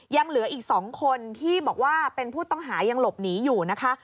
ยังเหลืออีก๒คนที่บอกว่าเป็นผู้ต้องหายังหลบหนีอยู่นะคะ